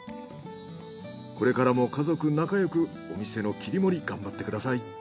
これからも家族仲よくお店の切り盛り頑張ってください。